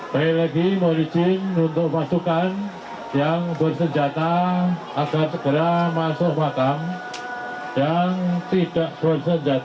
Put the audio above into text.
baik lagi mohon izin untuk pasukan yang bersenjata agar segera masuk makam dan tidak bersenjata